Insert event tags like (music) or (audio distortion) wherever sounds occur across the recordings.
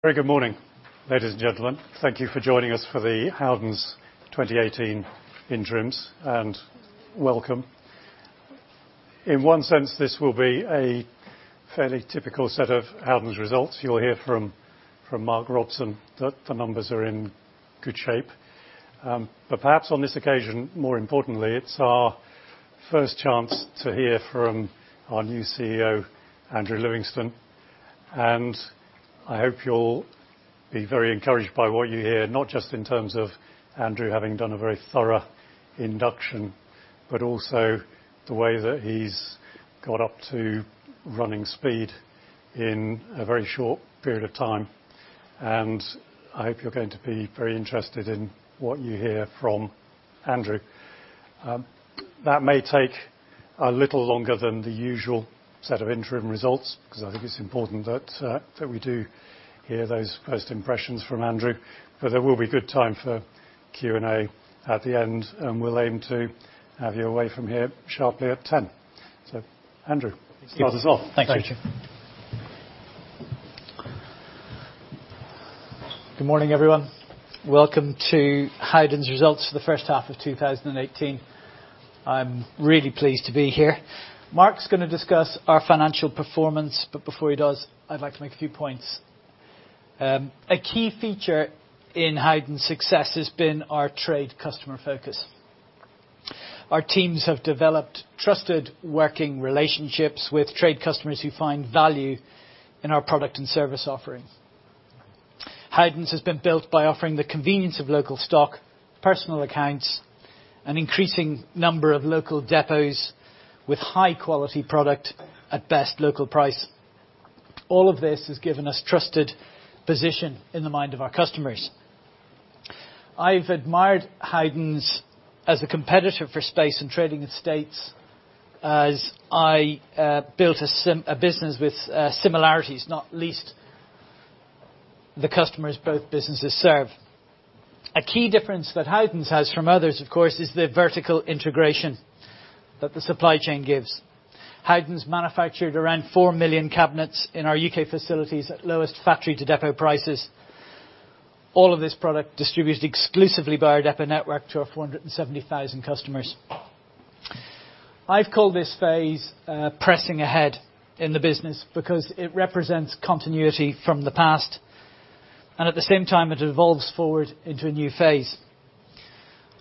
Very good morning, ladies and gentlemen. Thank you for joining us for the Howdens 2018 Interims, welcome. In one sense, this will be a fairly typical set of Howdens results. You'll hear from Mark Robson that the numbers are in good shape. Perhaps on this occasion, more importantly, it's our first chance to hear from our new CEO, Andrew Livingston. I hope you'll be very encouraged by what you hear, not just in terms of Andrew having done a very thorough induction, but also the way that he's got up to running speed in a very short period of time. I hope you're going to be very interested in what you hear from Andrew. That may take a little longer than the usual set of interim results, because I think it's important that we do hear those first impressions from Andrew. There will be good time for Q&A at the end, and we'll aim to have you away from here sharply at 10:00 A.M. Andrew, start us off. Thanks, Richard. Thank you. Good morning, everyone. Welcome to Howdens results for the first half of 2018. I'm really pleased to be here. Mark's going to discuss our financial performance, but before he does, I'd like to make a few points. A key feature in Howdens' success has been our trade customer focus. Our teams have developed trusted working relationships with trade customers who find value in our product and service offerings. Howdens has been built by offering the convenience of local stock, personal accounts, an increasing number of local depots with high quality product at best local price. All of this has given us trusted position in the mind of our customers. I've admired Howdens as a competitor for space and trading estates as I built a business with similarities, not least the customers both businesses serve. A key difference that Howdens has from others, of course, is the vertical integration that the supply chain gives. Howdens manufactured around 4 million cabinets in our U.K. facilities at lowest factory to depot prices. All of this product distributed exclusively by our depot network to our 470,000 customers. I've called this phase Pressing Ahead in the business because it represents continuity from the past. At the same time, it evolves forward into a new phase.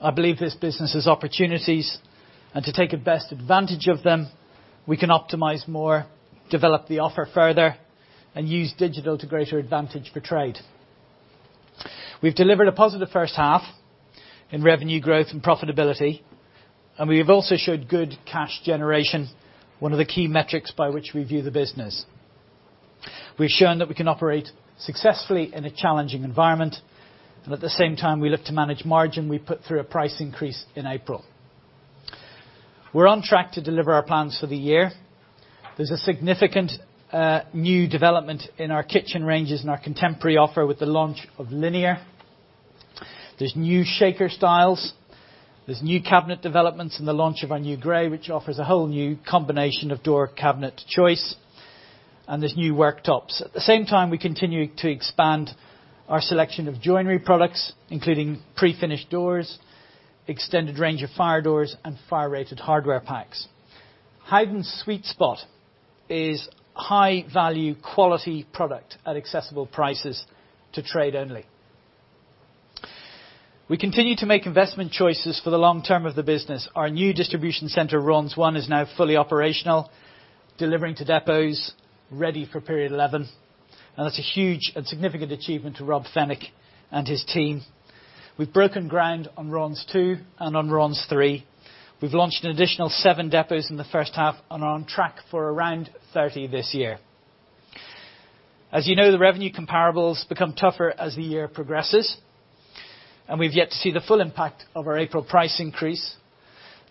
I believe this business has opportunities. To take best advantage of them, we can optimize more, develop the offer further, and use digital to greater advantage for trade. We've delivered a positive first half in revenue growth and profitability. We have also showed good cash generation, one of the key metrics by which we view the business. We've shown that we can operate successfully in a challenging environment. At the same time we look to manage margin, we put through a price increase in April. We're on track to deliver our plans for the year. There's a significant new development in our kitchen ranges and our contemporary offer with the launch of Linear. There's new shaker styles. There's new cabinet developments in the launch of our new gray, which offers a whole new combination of door cabinet choice. There's new worktops. At the same time, we continue to expand our selection of joinery products, including pre-finished doors, extended range of fire doors, and fire rated hardware packs. Howdens' sweet spot is high value, quality product at accessible prices to trade only. We continue to make investment choices for the long term of the business. Our new distribution center, Raunds One, is now fully operational, delivering to depots ready for period 11. That's a huge and significant achievement to Rob Fenwick and his team. We've broken ground on Raunds Two and on Raunds Three. We've launched an additional seven depots in the first half and are on track for around 30 this year. As you know, the revenue comparables become tougher as the year progresses. We've yet to see the full impact of our April price increase.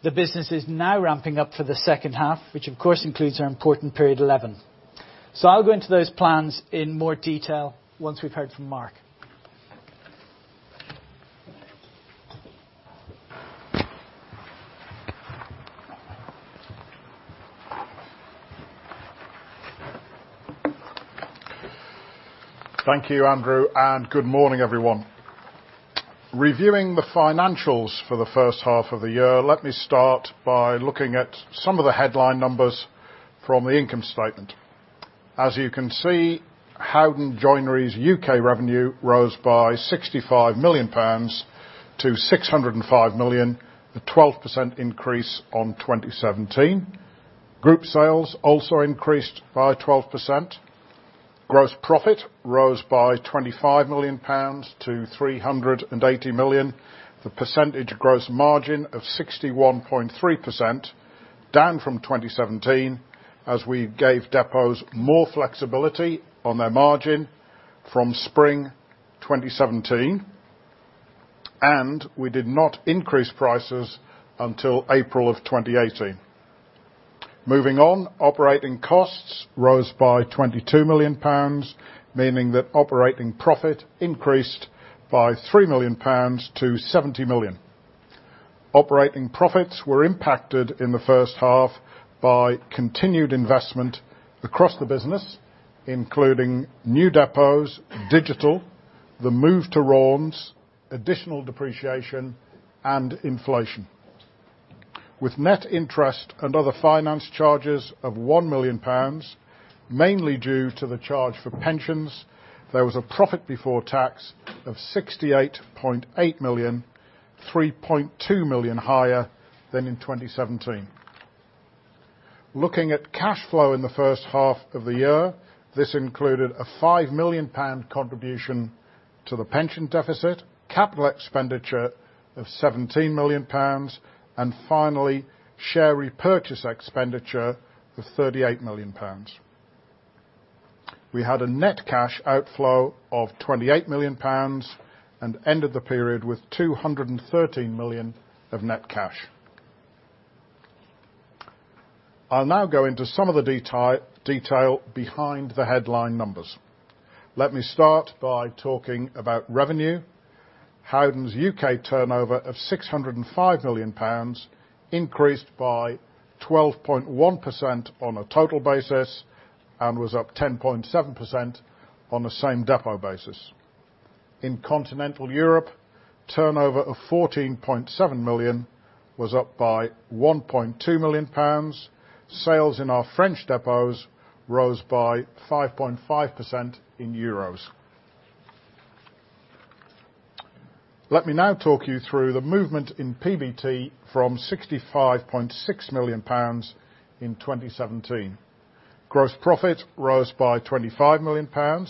The business is now ramping up for the second half, which of course includes our important period 11. I'll go into those plans in more detail once we've heard from Mark. Thank you, Andrew, and good morning, everyone. Reviewing the financials for the first half of the year, let me start by looking at some of the headline numbers from the income statement. As you can see, Howden Joinery's U.K. revenue rose by £65 million to £605 million, a 12% increase on 2017. Group sales also increased by 12%. Gross profit rose by £25 million to £380 million. The percentage gross margin of 61.3%, down from 2017 as we gave depots more flexibility on their margin from spring 2017. We did not increase prices until April of 2018. Moving on, operating costs rose by £22 million, meaning that operating profit increased by £3 million to £70 million. Operating profits were impacted in the first half by continued investment across the business, including new depots, digital, the move to Raunds, additional depreciation, and inflation. With net interest and other finance charges of £1 million, mainly due to the charge for pensions, there was a profit before tax of 68.8 million, 3.2 million higher than in 2017. Looking at cash flow in the first half of the year, this included a £5 million contribution to the pension deficit, capital expenditure of £17 million, and finally, share repurchase expenditure of £38 million. We had a net cash outflow of £28 million and ended the period with £213 million of net cash. I'll now go into some of the detail behind the headline numbers. Let me start by talking about revenue. Howden's U.K. turnover of £605 million increased by 12.1% on a total basis, and was up 10.7% on the same depot basis. In Continental Europe, turnover of 14.7 million was up by £1.2 million. Sales in our French depots rose by 5.5% in euros. Let me now talk you through the movement in PBT from £65.6 million in 2017. Gross profit rose by £25 million.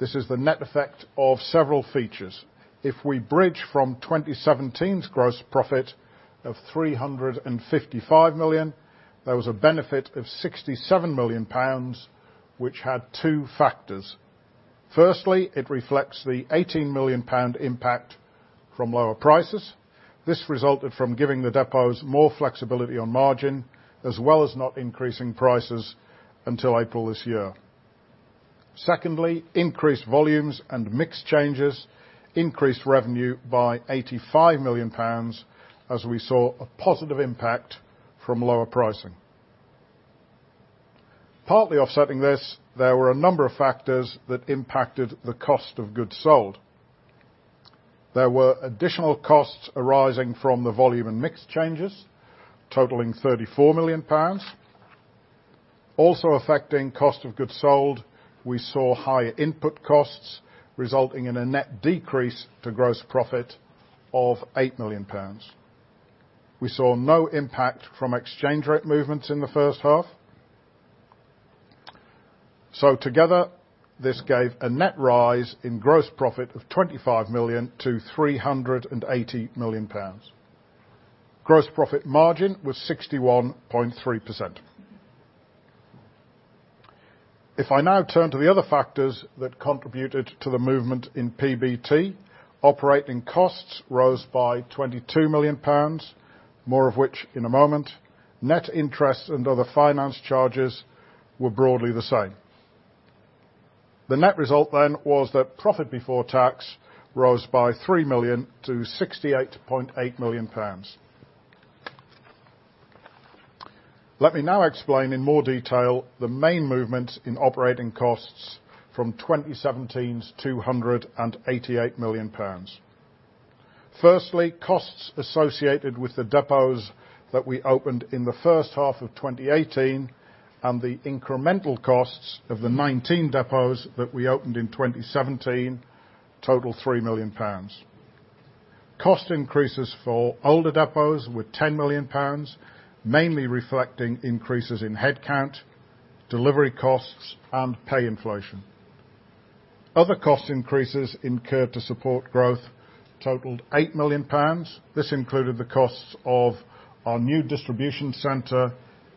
This is the net effect of several features. If we bridge from 2017's gross profit of £355 million, there was a benefit of £67 million, which had two factors. Firstly, it reflects the £18 million impact from lower prices. This resulted from giving the depots more flexibility on margin, as well as not increasing prices until April this year. Secondly, increased volumes and mix changes increased revenue by £85 million, as we saw a positive impact from lower pricing. Partly offsetting this, there were a number of factors that impacted the cost of goods sold. There were additional costs arising from the volume and mix changes totaling £34 million. Also affecting cost of goods sold, we saw higher input costs resulting in a net decrease to gross profit of £8 million. We saw no impact from exchange rate movements in the first half. Together, this gave a net rise in gross profit of £25 million to £380 million. Gross profit margin was 61.3%. If I now turn to the other factors that contributed to the movement in PBT, operating costs rose by £22 million, more of which in a moment. Net interest and other finance charges were broadly the same. The net result then was that profit before tax rose by £3 million to £68.8 million. Let me now explain in more detail the main movement in operating costs from 2017's 288 million pounds. Firstly, costs associated with the depots that we opened in the first half of 2018 and the incremental costs of the 19 depots that we opened in 2017 total 3 million pounds. Cost increases for older depots were 10 million pounds, mainly reflecting increases in headcount, delivery costs, and pay inflation. Other cost increases incurred to support growth totaled 8 million pounds. This included the costs of our new distribution center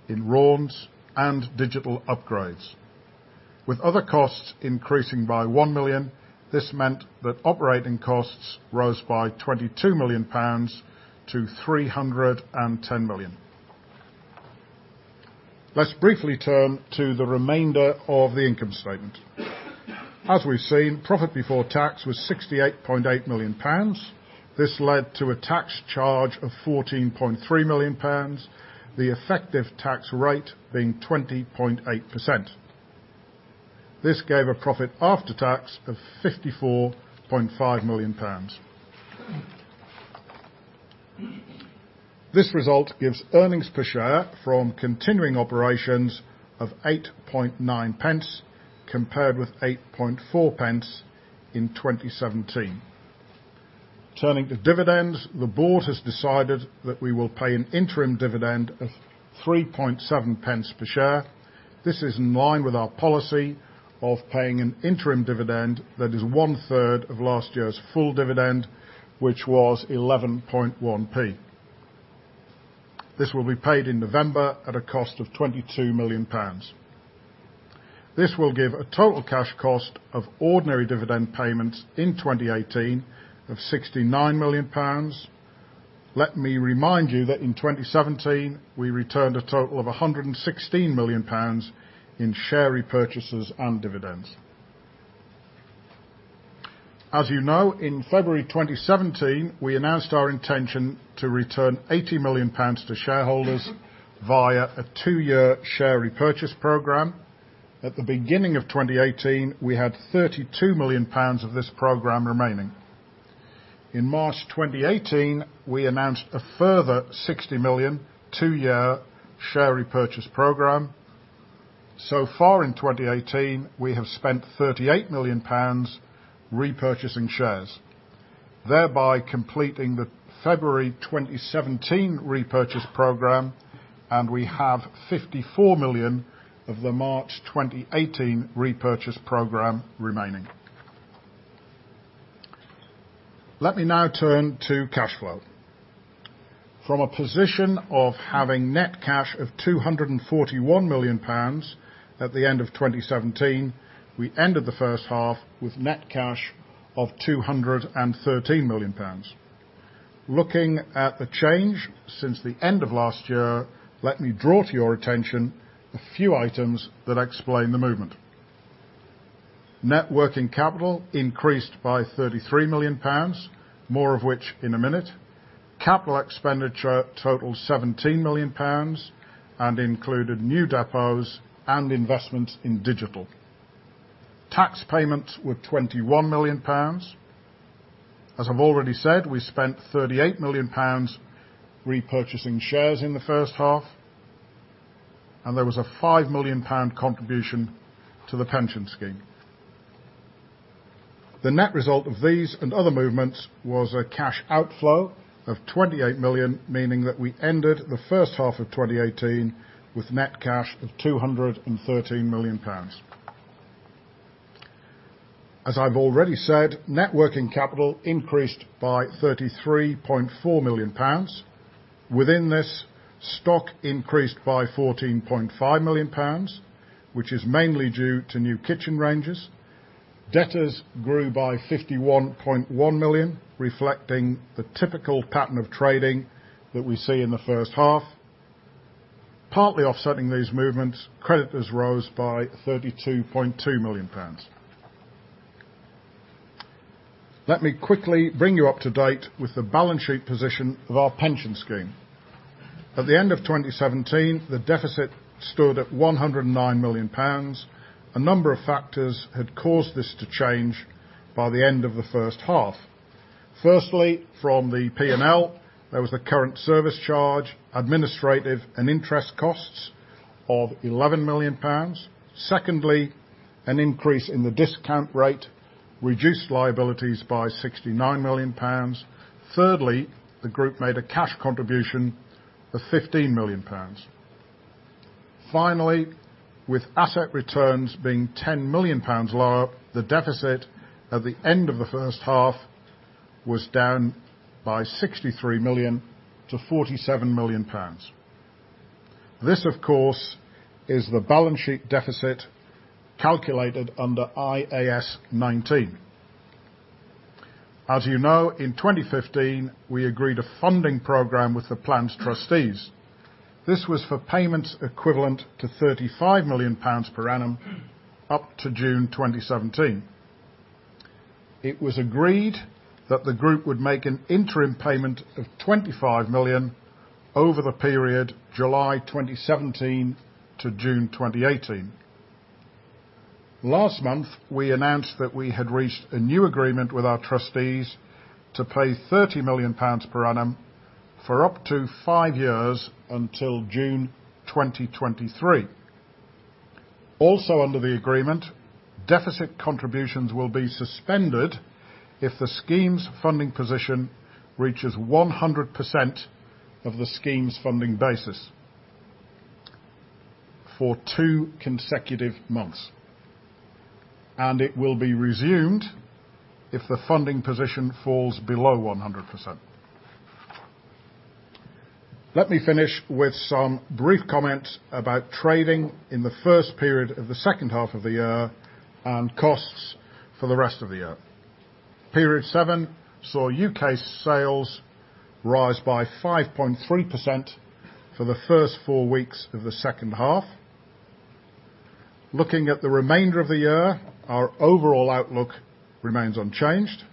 in Raunds and digital upgrades. With other costs increasing by 1 million, this meant that operating costs rose by 22 million pounds to 310 million. Let's briefly turn to the remainder of the income statement. As we've seen, profit before tax was 68.8 million pounds. This led to a tax charge of 14.3 million pounds, the effective tax rate being 20.8%. This gave a profit after tax of 54.5 million pounds. This result gives earnings per share from continuing operations of 0.089 compared with 0.084 in 2017. Turning to dividends, the board has decided that we will pay an interim dividend of 0.037 per share. This is in line with our policy of paying an interim dividend that is one-third of last year's full dividend, which was 0.111. This will be paid in November at a cost of 22 million pounds. This will give a total cash cost of ordinary dividend payments in 2018 of 69 million pounds. Let me remind you that in 2017, we returned a total of 116 million pounds in share repurchases and dividends. As you know, in February 2017, we announced our intention to return 80 million pounds to shareholders via a two-year share repurchase program. At the beginning of 2018, we had 32 million pounds of this program remaining. In March 2018, we announced a further 60 million two-year share repurchase program. So far in 2018, we have spent 38 million pounds repurchasing shares, thereby completing the February 2017 repurchase program, and we have 54 million of the March 2018 repurchase program remaining. Let me now turn to cash flow. From a position of having net cash of 241 million pounds at the end of 2017, we ended the first half with net cash of 213 million pounds. Looking at the change since the end of last year, let me draw to your attention a few items that explain the movement. Net working capital increased by 33 million pounds, more of which in a minute. Capital expenditure totaled 17 million pounds and included new depots and investments in digital. Tax payments were 21 million pounds. As I've already said, we spent 38 million pounds repurchasing shares in the first half, and there was a 5 million pound contribution to the pension scheme. The net result of these and other movements was a cash outflow of 28 million, meaning that we ended the first half of 2018 with net cash of 213 million pounds. As I've already said, net working capital increased by 33.4 million pounds. Within this, stock increased by 14.5 million pounds, which is mainly due to new kitchen ranges. Debtors grew by 51.1 million, reflecting the typical pattern of trading that we see in the first half. Partly offsetting these movements, creditors rose by 32.2 million pounds. Let me quickly bring you up to date with the balance sheet position of our pension scheme. At the end of 2017, the deficit stood at 109 million pounds. A number of factors had caused this to change by the end of the first half. Firstly, from the P&L, there was the current service charge, administrative and interest costs of 11 million pounds. Secondly, an increase in the discount rate reduced liabilities by 69 million pounds. Thirdly, the group made a cash contribution of 15 million pounds. Finally, with asset returns being 10 million pounds lower, the deficit at the end of the first half was down by 63 million to 47 million pounds. This, of course, is the balance sheet deficit calculated under IAS 19. As you know, in 2015, we agreed a funding program with the plan's trustees. This was for payments equivalent to 35 million pounds per annum up to June 2017. It was agreed that the group would make an interim payment of 25 million over the period July 2017 to June 2018. Last month, we announced that we had reached a new agreement with our trustees to pay 30 million pounds per annum for up to 5 years until June 2023. Also under the agreement, deficit contributions will be suspended if the scheme's funding position reaches 100% of the scheme's funding basis for two consecutive months. It will be resumed if the funding position falls below 100%. Let me finish with some brief comments about trading in the first period of the second half of the year, and costs for the rest of the year. Period 7 saw U.K. sales rise by 5.3% for the first four weeks of the second half. Looking at the remainder of the year, our overall outlook remains unchanged.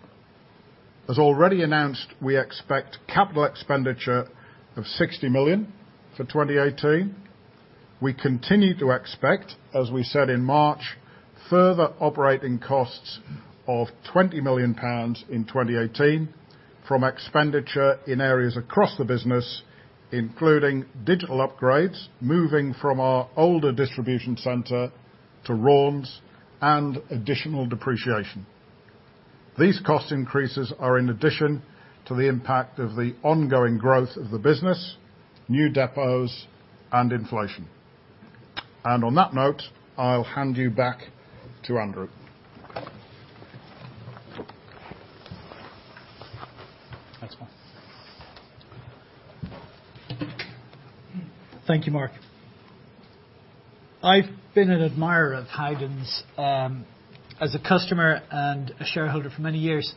As already announced, we expect capital expenditure of 60 million for 2018. We continue to expect, as we said in March, further operating costs of 20 million pounds in 2018 from expenditure in areas across the business, including digital upgrades, moving from our older distribution center to Raunds, and additional depreciation. These cost increases are in addition to the impact of the ongoing growth of the business, new depots, and inflation. On that note, I'll hand you back to Andrew. Thanks, Mark. Thank you, Mark. I've been an admirer of Howdens as a customer and a shareholder for many years.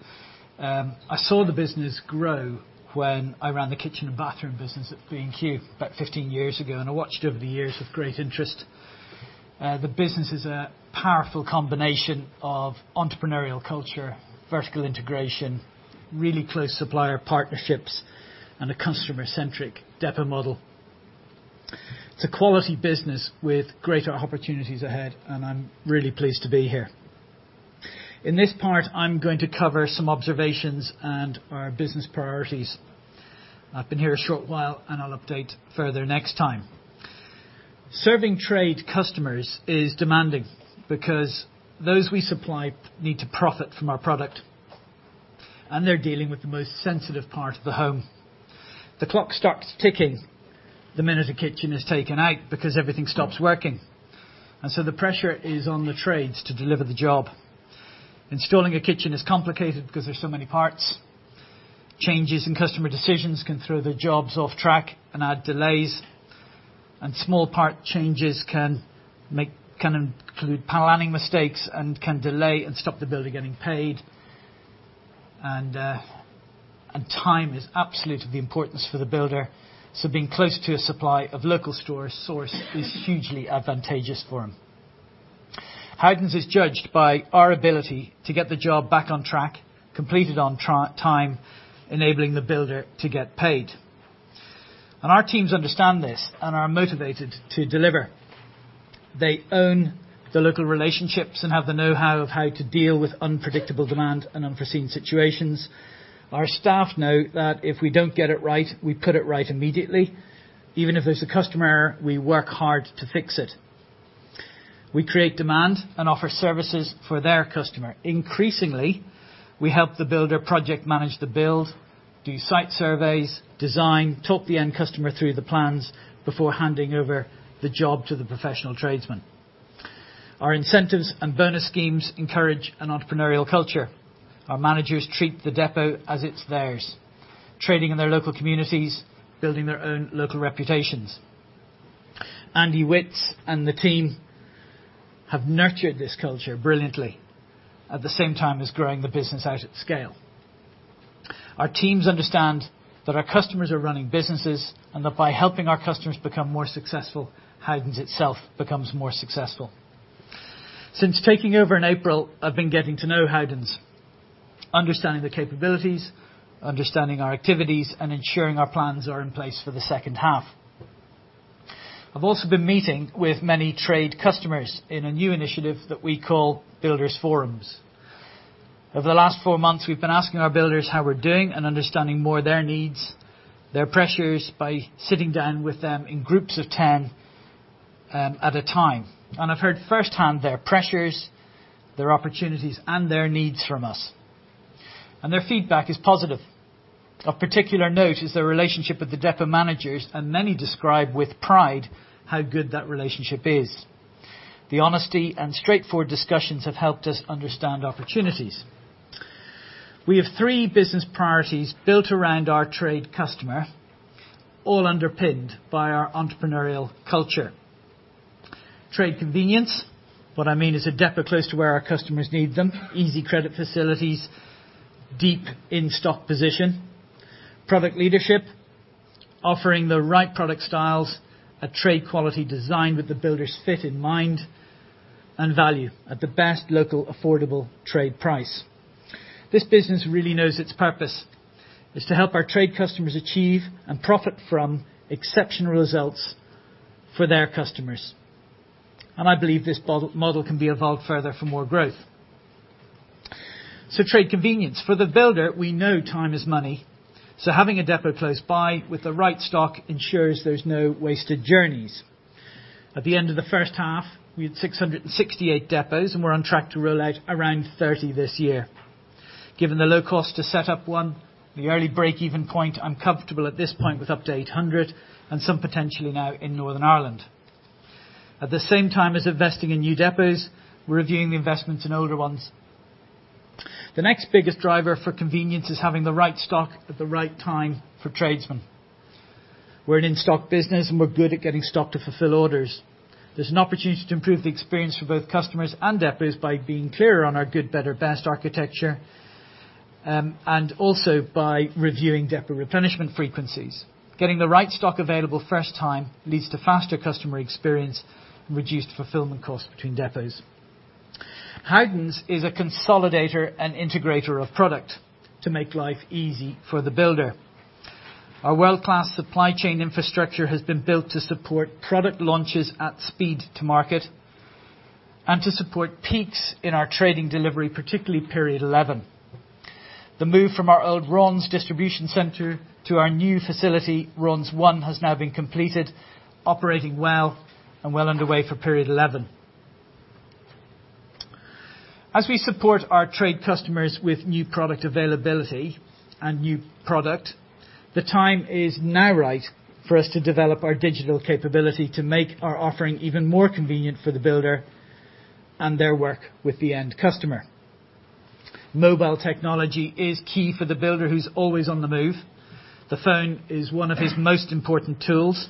I saw the business grow when I ran the kitchen and bathroom business at B&Q about 15 years ago, and I watched over the years with great interest. The business is a powerful combination of entrepreneurial culture, vertical integration, really close supplier partnerships, and a customer-centric depot model. It's a quality business with great opportunities ahead, and I'm really pleased to be here. In this part, I'm going to cover some observations and our business priorities. I've been here a short while, and I'll update further next time. Serving trade customers is demanding because those we supply need to profit from our product, and they're dealing with the most sensitive part of the home. The clock starts ticking the minute a kitchen is taken out because everything stops working. The pressure is on the trades to deliver the job. Installing a kitchen is complicated because there's so many parts. Changes in customer decisions can throw the jobs off track and add delays. Small part changes can include planning mistakes and can delay and stop the builder getting paid. Time is absolutely of importance for the builder, so being close to a supply of local store source is hugely advantageous for him. Howdens is judged by our ability to get the job back on track, completed on time, enabling the builder to get paid. Our teams understand this and are motivated to deliver. They own the local relationships and have the knowhow of how to deal with unpredictable demand and unforeseen situations. Our staff know that if we don't get it right, we put it right immediately. Even if there's a customer error, we work hard to fix it. We create demand and offer services for their customer. Increasingly, we help the builder project manage the build, do site surveys, design, talk the end customer through the plans before handing over the job to the professional tradesman. Our incentives and bonus schemes encourage an entrepreneurial culture. Our managers treat the depot as it's theirs, trading in their local communities, building their own local reputations. Andy Witts and the team have nurtured this culture brilliantly at the same time as growing the business out at scale. Our teams understand that our customers are running businesses and that by helping our customers become more successful, Howdens itself becomes more successful. Since taking over in April, I've been getting to know Howdens, understanding the capabilities, understanding our activities, and ensuring our plans are in place for the second half. I've also been meeting with many trade customers in a new initiative that we call Builders Forums. Over the last four months, we've been asking our builders how we're doing and understanding more their needs, their pressures by sitting down with them in groups of 10 at a time. I've heard firsthand their pressures, their opportunities and their needs from us. Their feedback is positive. Of particular note is their relationship with the depot managers, and many describe with pride how good that relationship is. The honesty and straightforward discussions have helped us understand opportunities. We have three business priorities built around our trade customer, all underpinned by our entrepreneurial culture. Trade convenience. What I mean is a depot close to where our customers need them, easy credit facilities, deep in-stock position. Product leadership, offering the right product styles at trade quality design with the builder's fit in mind. Value at the best local affordable trade price. This business really knows its purpose is to help our trade customers achieve and profit from exceptional results for their customers. I believe this model can be evolved further for more growth. Trade convenience. For the builder, we know time is money, so having a depot close by with the right stock ensures there's no wasted journeys. At the end of the first half, we had 668 depots, and we're on track to roll out around 30 this year. Given the low cost to set up one and the early break-even point, I'm comfortable at this point with up to 800 and some potentially now in Northern Ireland. At the same time as investing in new depots, we're reviewing the investments in older ones. The next biggest driver for convenience is having the right stock at the right time for tradesmen. We're an in-stock business, and we're good at getting stock to fulfill orders. There's an opportunity to improve the experience for both customers and depots by being clearer on our good, better, best architecture, and also by reviewing depot replenishment frequencies. Getting the right stock available first time leads to faster customer experience and reduced fulfillment costs between depots. Howdens is a consolidator and integrator of product to make life easy for the builder. Our world-class supply chain infrastructure has been built to support product launches at speed to market and to support peaks in our trading delivery, particularly period 11. The move from our old Raunds distribution center to our new facility, Raunds One, has now been completed, operating well and well underway for period 11. As we support our trade customers with new product availability and new product, the time is now right for us to develop our digital capability to make our offering even more convenient for the builder and their work with the end customer. Mobile technology is key for the builder who's always on the move. The phone is one of his most important tools.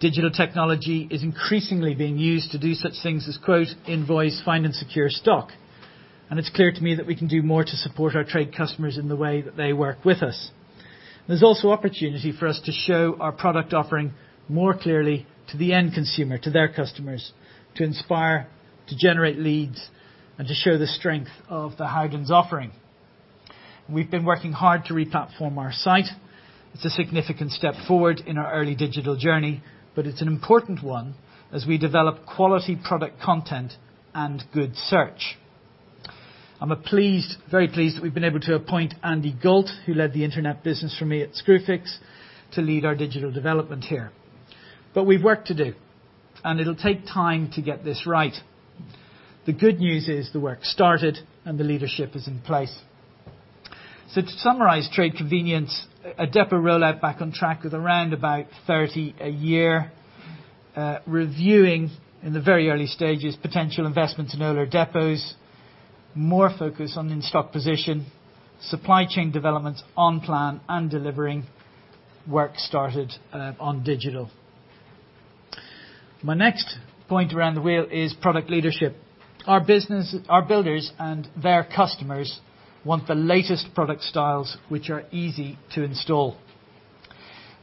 Digital technology is increasingly being used to do such things as quote, invoice, find, and secure stock. It's clear to me that we can do more to support our trade customers in the way that they work with us. There's also opportunity for us to show our product offering more clearly to the end consumer, to their customers, to inspire, to generate leads, and to show the strength of the Howdens offering. We've been working hard to re-platform our site. It's a significant step forward in our early digital journey, but it's an important one as we develop quality product content and good search. I'm very pleased we've been able to appoint Andy Gault, who led the internet business for me at Screwfix, to lead our digital development here. We've work to do, and it'll take time to get this right. The good news is the work started, and the leadership is in place. To summarize trade convenience, a depot rollout back on track with around about 30 a year. Reviewing, in the very early stages, potential investment in older depots. More focus on in-stock position. Supply chain developments on plan and delivering. Work started on digital. My next point around the wheel is product leadership. Our builders and their customers want the latest product styles, which are easy to install.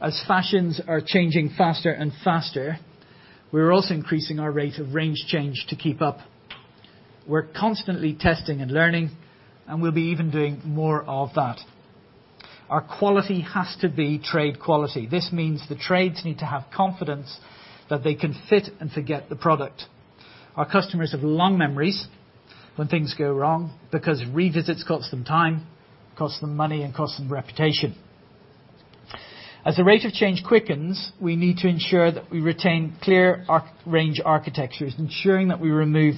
As fashions are changing faster and faster, we're also increasing our rate of range change to keep up. We're constantly testing and learning, and we'll be even doing more of that. Our quality has to be trade quality. This means the trades need to have confidence that they can fit and forget the product. Our customers have long memories when things go wrong because revisits cost them time, costs them money, and costs them reputation. As the rate of change quickens, we need to ensure that we retain clear range architectures, ensuring that we remove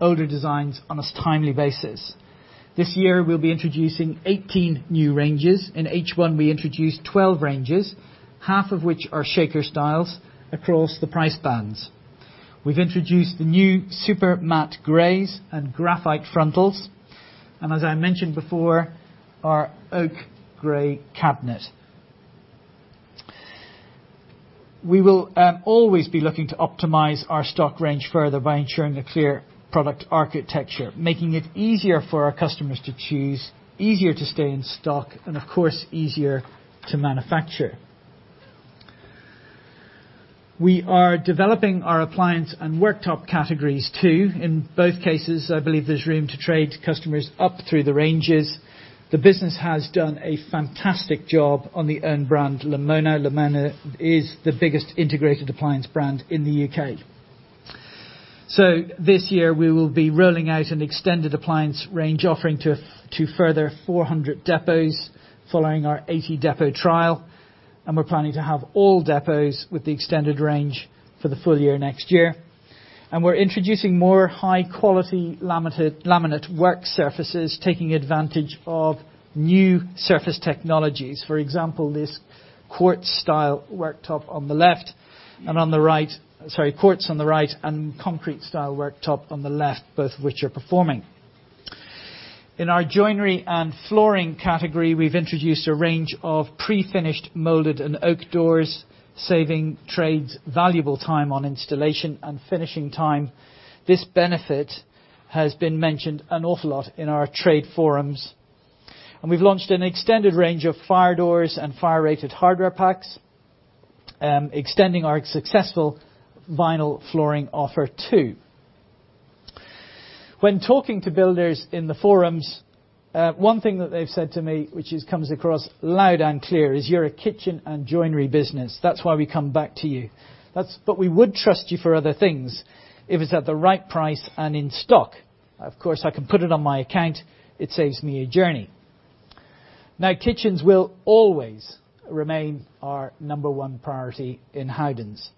older designs on a timely basis. This year, we'll be introducing 18 new ranges. In H1, we introduced 12 ranges, half of which are shaker styles across the price bands. We've introduced the new super matte grays and graphite frontals, and as I mentioned before, our oak gray cabinet. We will always be looking to optimize our stock range further by ensuring a clear product architecture, making it easier for our customers to choose, easier to stay in stock, and of course, easier to manufacture. We are developing our appliance and worktop categories too. In both cases, I believe there's room to trade customers up through the ranges. The business has done a fantastic job on the own brand, Lamona. Lamona is the biggest integrated appliance brand in the U.K. This year, we will be rolling out an extended appliance range offering to further 400 depots following our 80 depot trial, and we're planning to have all depots with the extended range for the full year next year. We're introducing more high-quality laminate work surfaces, taking advantage of new surface technologies. For example, this quartz style worktop on the left and on the right Sorry, quartz on the right and concrete style worktop on the left, both of which are performing. In our joinery and flooring category, we've introduced a range of pre-finished molded and oak doors, saving trades valuable time on installation and finishing time. This benefit has been mentioned an awful lot in our trade forums. We've launched an extended range of fire doors and fire-rated hardware packs, extending our successful vinyl flooring offer, too. When talking to builders in the forums, one thing that they've said to me, which comes across loud and clear, is, "You're a kitchen and joinery business. That's why we come back to you. We would trust you for other things if it's at the right price and in stock. Of course, I can put it on my account. It saves me a journey." Now, kitchens will always remain our number 1 priority in Howden's.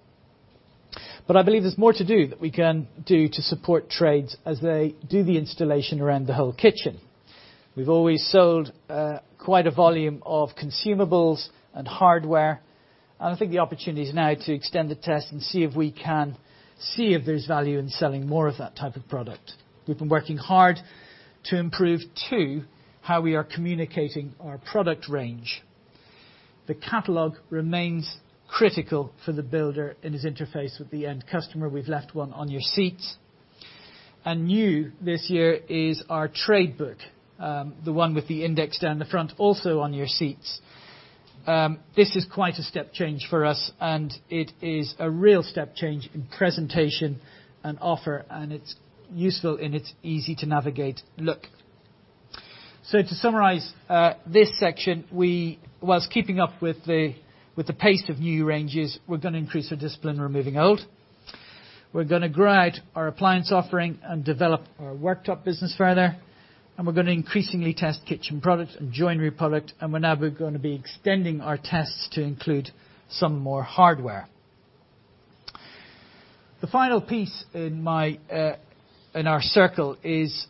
I believe there's more to do that we can do to support trades as they do the installation around the whole kitchen. We've always sold quite a volume of consumables and hardware, and I think the opportunity is now to extend the test and see if there's value in selling more of that type of product. We've been working hard to improve, too, how we are communicating our product range. The catalog remains critical for the builder in his interface with the end customer. We've left one on your seats. New this year is our trade book, the one with the index down the front, also on your seats. This is quite a step change for us, and it is a real step change in presentation and offer, and it's useful in its easy-to-navigate look. To summarize this section, whilst keeping up with the pace of new ranges, we're going to increase the discipline removing old. We're going to grow out our appliance offering and develop our worktop business further. We're going to increasingly test kitchen product and joinery product, and we're now going to be extending our tests to include some more hardware. The final piece in our circle is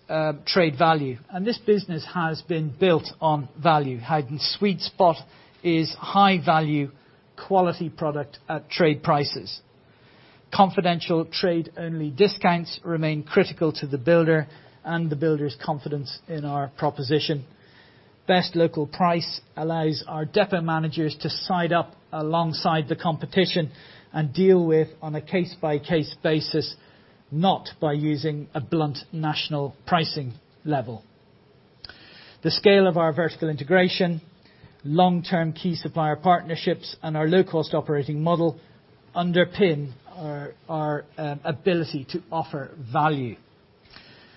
trade value. This business has been built on value. Howdens sweet spot is high value, quality product at trade prices. Confidential trade only discounts remain critical to the builder and the builder's confidence in our proposition. Best local price allows our depot managers to side up alongside the competition and deal with on a case-by-case basis, not by using a blunt national pricing level. The scale of our vertical integration, long-term key supplier partnerships, and our low-cost operating model underpin our ability to offer value.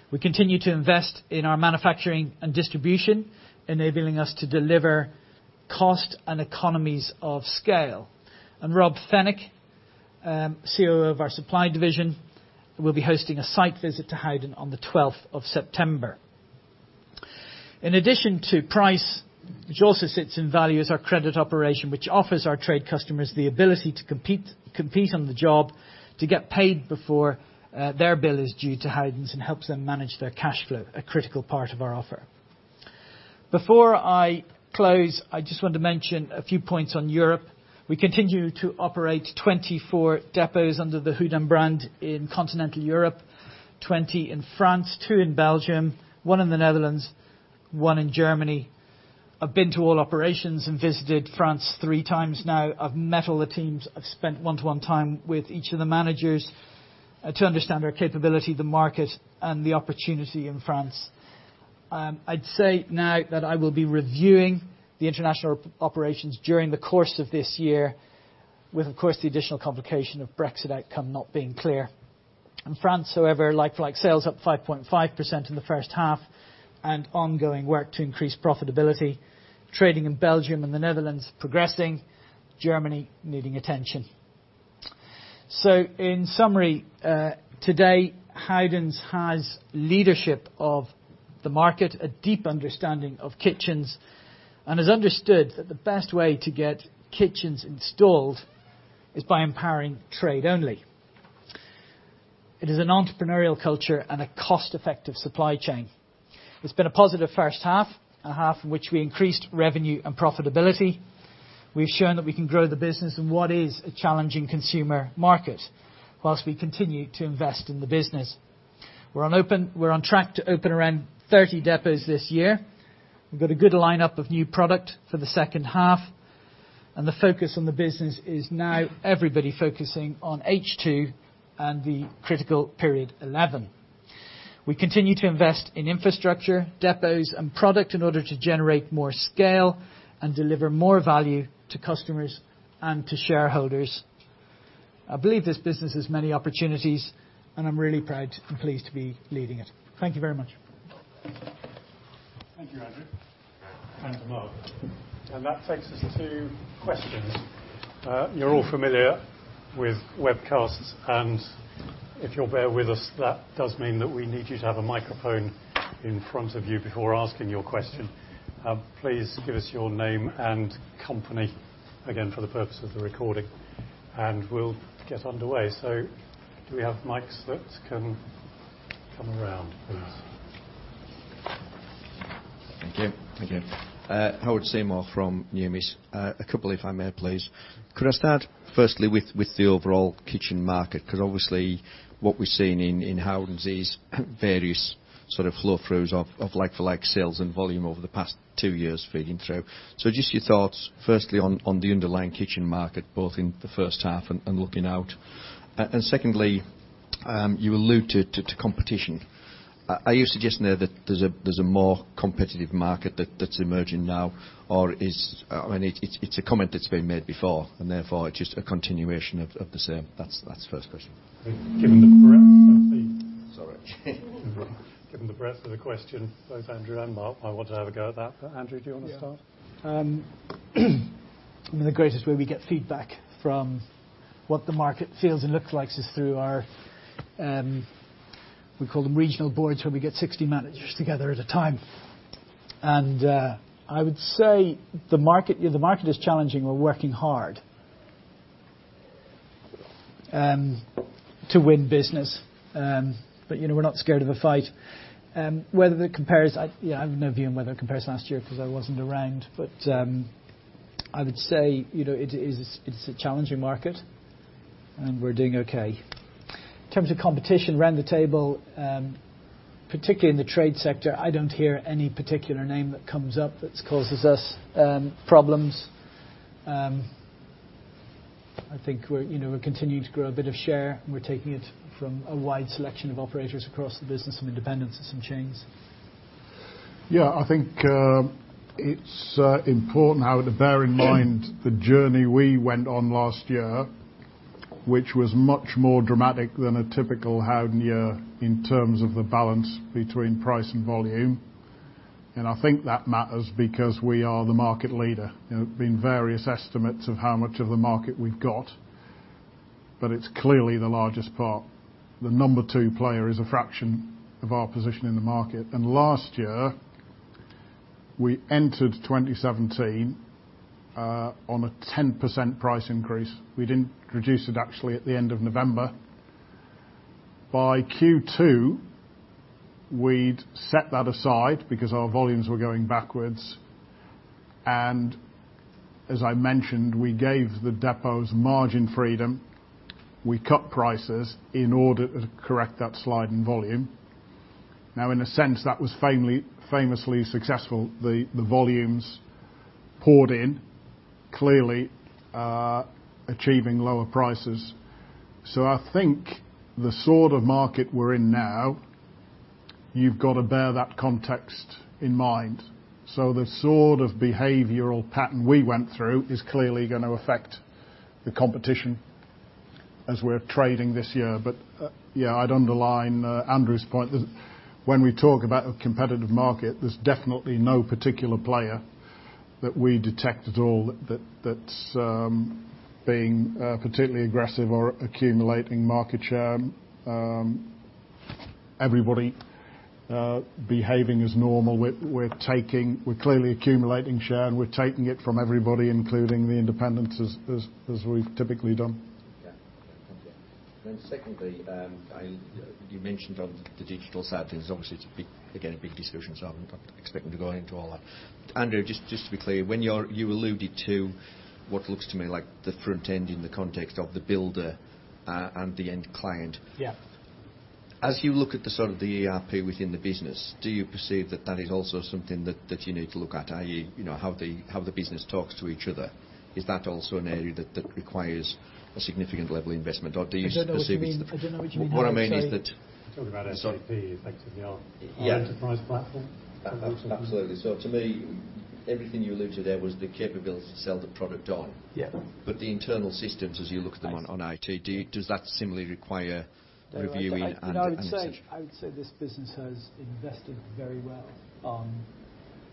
We continue to invest in our manufacturing and distribution, enabling us to deliver cost and economies of scale. Rob Fenwick, CEO of our supply division, will be hosting a site visit to Howdens on the 12th of September. In addition to price, which also sits in value, is our credit operation, which offers our trade customers the ability to compete on the job, to get paid before their bill is due to Howdens, and helps them manage their cash flow, a critical part of our offer. Before I close, I just want to mention a few points on Europe. We continue to operate 24 depots under the Howden brand in continental Europe, 20 in France, two in Belgium, one in the Netherlands, one in Germany. I've been to all operations and visited France three times now. I've met all the teams. I've spent one-to-one time with each of the managers to understand their capability, the market, and the opportunity in France. I'd say now that I will be reviewing the international operations during the course of this year with, of course, the additional complication of Brexit outcome not being clear. In France, however, like-for-like sales up 5.5% in the first half and ongoing work to increase profitability. Trading in Belgium and the Netherlands progressing. Germany needing attention. In summary, today Howdens has leadership of the market, a deep understanding of kitchens, and has understood that the best way to get kitchens installed is by empowering trade only. It is an entrepreneurial culture and a cost-effective supply chain. It's been a positive first half, a half in which we increased revenue and profitability. We've shown that we can grow the business in what is a challenging consumer market whilst we continue to invest in the business. We're on track to open around 30 depots this year. We've got a good lineup of new product for the second half. The focus on the business is now everybody focusing on H2 and the critical period 11. We continue to invest in infrastructure, depots, and product in order to generate more scale and deliver more value to customers and to shareholders. I believe this business has many opportunities. I'm really proud and pleased to be leading it. Thank you very much. Thank you, Andrew. Time for Mark. That takes us to questions. If you'll bear with us, that does mean that we need you to have a microphone in front of you before asking your question. Please give us your name and company again for the purpose of the recording. We'll get underway. Do we have mics that can come around, please? Thank you. Thank you. Howard Seymour from Numis. A couple if I may, please. Could I start firstly with the overall kitchen market? Obviously what we've seen in Howdens is various sort of flow throughs of like-for-like sales and volume over the past two years feeding through. Just your thoughts, firstly on the underlying kitchen market, both in the first half and looking out. Secondly, you allude to competition. Are you suggesting there that there's a more competitive market that's emerging now? It's a comment that's been made before, therefore just a continuation of the same. That's the first question. Given the breadth of the Sorry. Given the breadth of the question, both Andrew and Mark might want to have a go at that. Andrew, do you want to start? The greatest way we get feedback from what the market feels and looks like is through our, we call them regional boards, where we get 60 managers together at a time. I would say the market is challenging. We're working hard to win business, but we're not scared of a fight. I have no view on whether it compares to last year because I wasn't around, but I would say it's a challenging market, and we're doing okay. In terms of competition, around the table, particularly in the trade sector, I don't hear any particular name that comes up that causes us problems. I think we're continuing to grow a bit of share, and we're taking it from a wide selection of operators across the business, some independents and some chains. I think it's important, Howard, to bear in mind the journey we went on last year, which was much more dramatic than a typical Howden year in terms of the balance between price and volume. I think that matters because we are the market leader. There have been various estimates of how much of the market we've got, but it's clearly the largest part. The number 2 player is a fraction of our position in the market. Last year, we entered 2017 on a 10% price increase. We'd introduced it actually at the end of November. By Q2, we'd set that aside because our volumes were going backwards, and as I mentioned, we gave the depots margin freedom. We cut prices in order to correct that slide in volume. Now, in a sense, that was famously successful. The volumes poured in, clearly achieving lower prices. I think the sort of market we're in now, you've got to bear that context in mind. The sort of behavioral pattern we went through is clearly going to affect the competition as we're trading this year. Yeah, I'd underline Andrew's point that when we talk about a competitive market, there's definitely no particular player that we detect at all that's being particularly aggressive or accumulating market share. Everybody behaving as normal. We're clearly accumulating share, and we're taking it from everybody, including the independents, as we've typically done. Yeah. Thank you. Secondly, you mentioned on the digital side, things, obviously, it's, again, a big discussion, so I'm not expecting to go into all that. Andrew, just to be clear, when you alluded to what looks to me like the front end in the context of the builder and the end client. Yeah. As you look at the sort of the ERP within the business, do you perceive that that is also something that you need to look at, i.e., how the business talks to each other? Is that also an area that requires a significant level investment? I don't know what you mean. What I mean is that. He's talking about SAP, effectively our enterprise platform. Absolutely. To me, everything you alluded to there was the capability to sell the product on. Yeah. The internal systems, as you look at them on IT, does that similarly require reviewing? No. I would say this business has invested very well on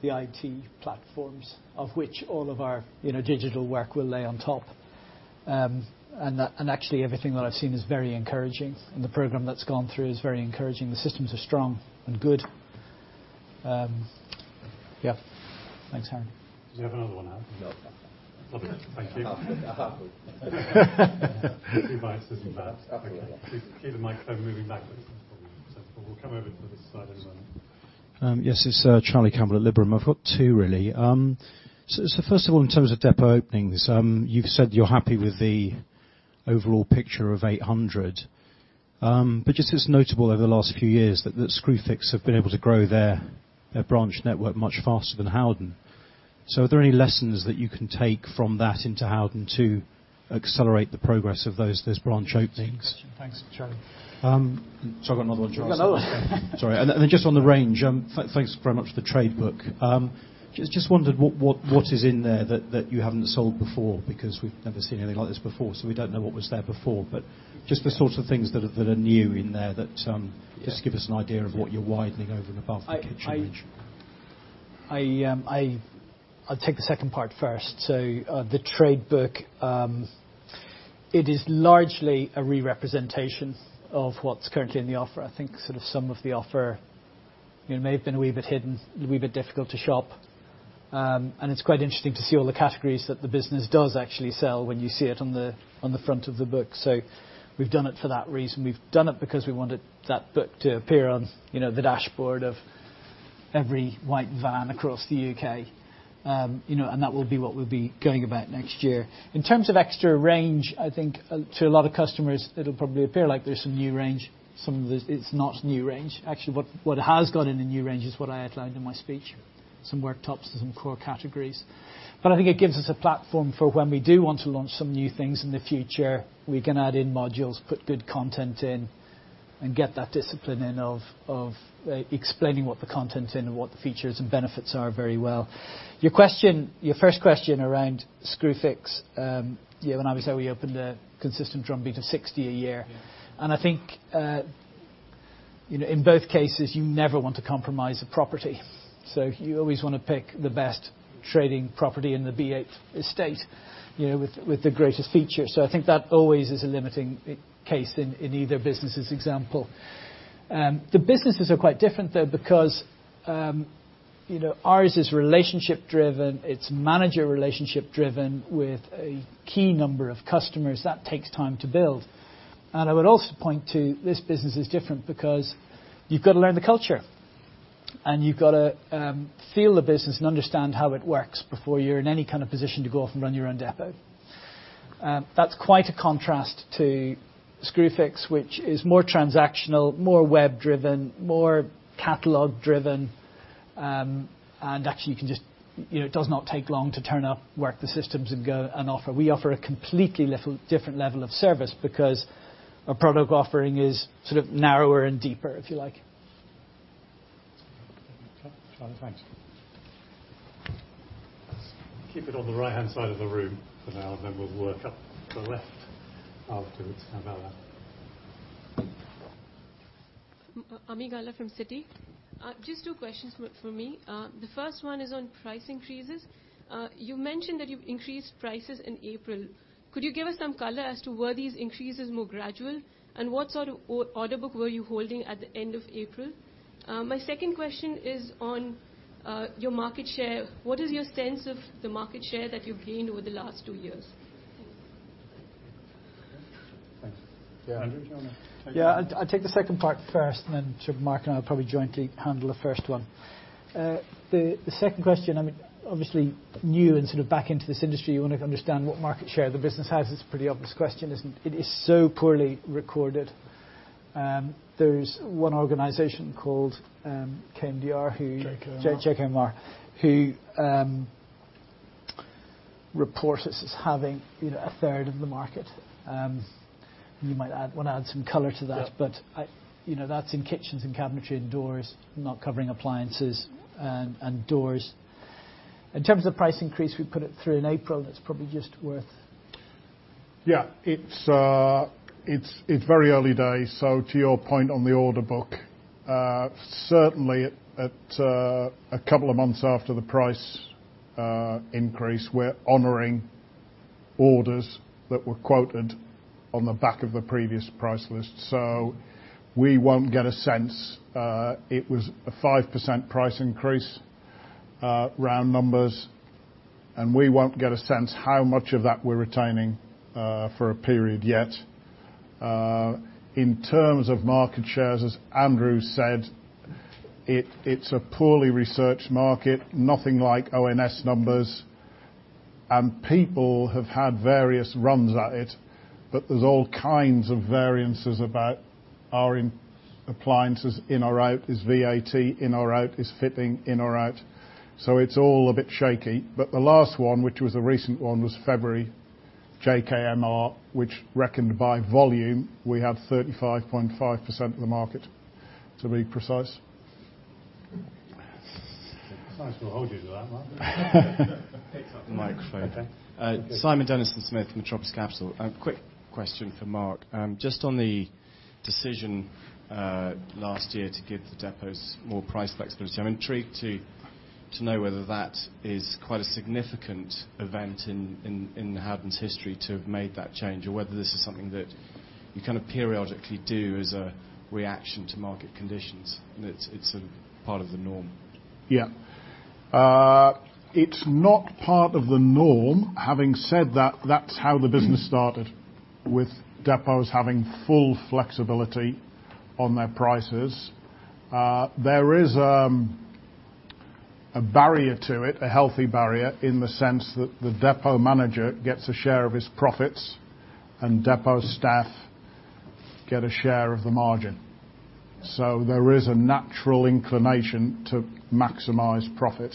the IT platforms, of which all of our digital work will lay on top. Actually, everything that I've seen is very encouraging. The program that's gone through is very encouraging. The systems are strong and good. Yeah. Thanks, Howard. Do you have another one, Howard? No. Okay. Thank you. Two biases and that. Okay. Keep the microphone moving backwards. We'll come over to this side in a moment. Yes. It's Charlie Campbell at Liberum. I've got two, really. First of all, in terms of depot openings, you've said you're happy with the overall picture of 800. Just as notable over the last few years that Screwfix have been able to grow their branch network much faster than Howden. Are there any lessons that you can take from that into Howden to accelerate the progress of those branch openings? Thanks, Charlie. I've got another one, Charlie. You've got another one. Sorry. Then just on the range, thanks very much for the trade book. Just wondered what is in there that you haven't sold before, because we've never seen anything like this before, so we don't know what was there before, but just the sorts of things that are new in there that just give us an idea of what you're widening over and above the kitchen range. I'll take the second part first. The trade book, it is largely a re-representation of what's currently in the offer. I think some of the offer may have been a wee bit hidden, wee bit difficult to shop. It's quite interesting to see all the categories that the business does actually sell when you see it on the front of the book. We've done it for that reason. We've done it because we wanted that book to appear on the dashboard of every white van across the U.K. That will be what we'll be going about next year. In terms of extra range, I think to a lot of customers, it'll probably appear like there's some new range. Some of it's not new range. Actually, what has gone in the new range is what I outlined in my speech, some worktops to some core categories. I think it gives us a platform for when we do want to launch some new things in the future, we can add in modules, put good content in, and get that discipline in of explaining what the content in and what the features and benefits are very well. Your first question around Screwfix, when I would say we open the consistent drumbeat of 60 a year. Yeah. I think, in both cases, you never want to compromise a property. You always want to pick the best trading property in the B8 estate with the greatest features. I think that always is a limiting case in either business' example. The businesses are quite different, though, because ours is relationship driven, it's manager relationship driven with a key number of customers. That takes time to build. I would also point to this business is different because you've got to learn the culture, and you've got to feel the business and understand how it works before you're in any kind of position to go off and run your own depot. That's quite a contrast to Screwfix, which is more transactional, more web driven, more catalog driven, and actually, it does not take long to turn up, work the systems, and go and offer. We offer a completely different level of service because our product offering is narrower and deeper, if you like. Okay. Charlie, thanks. Keep it on the right-hand side of the room for now, and then we will work up the left afterwards. How about that? Ami Galla from Citi. Just two questions from me. The first one is on price increases. You mentioned that you increased prices in April. Could you give us some color as to were these increases more gradual, and what sort of order book were you holding at the end of April? My second question is on your market share. What is your sense of the market share that you have gained over the last two years? Thanks. Andrew, do you want to- Yeah, I will take the second part first, and then Mark and I will probably jointly handle the first one. The second question, obviously, new and sort of back into this industry, you want to understand what market share the business has. It is a pretty obvious question, isn't it? It is so poorly recorded. There is one organization called JKMR who- JKMR JKMR, who reports us as having a third of the market. You might want to add some color to that. Yeah. That's in kitchens and cabinetry and doors, not covering appliances and doors. In terms of price increase, we put it through in April. That's probably just worth Yeah. It's very early days, to your point on the order book, certainly at a couple of months after the price increase, we are honoring orders that were quoted on the back of the previous price list. We won't get a sense. It was a 5% price increase, round numbers, and we won't get a sense how much of that we are retaining for a period yet. In terms of market shares, as Andrew said, it's a poorly researched market, nothing like ONS numbers. People have had various runs at it, but there's all kinds of variances about are appliances in or out, is VAT in or out, is fitting in or out. It's all a bit shaky. The last one, which was a recent one, was February JKMR, which reckoned by volume, we have 35.5% of the market, to be precise. I suppose we will hold you to that, Mark. Pick up the microphone. Okay. Simon Denison-Smith from Metropolis Capital. A quick question for Mark. Just on the decision last year to give the depots more price flexibility, I'm intrigued to know whether that is quite a significant event in Howdens history to have made that change, or whether this is something that you kind of periodically do as a reaction to market conditions, and it's sort of part of the norm. Yeah. It's not part of the norm. Having said that's how the business started, with depots having full flexibility on their prices. There is a barrier to it, a healthy barrier in the sense that the depot manager gets a share of his profits and depot staff get a share of the margin. There is a natural inclination to maximize profit.